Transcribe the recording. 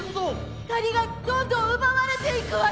光がどんどん奪われていくわよ。